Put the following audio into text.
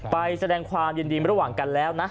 แสดงความยินดีระหว่างกันแล้วนะ